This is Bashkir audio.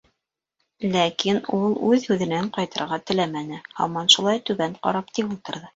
Ләкин ул үҙ һүҙенән ҡайтырға теләмәне, һаман шулай түбән ҡарап тик ултырҙы.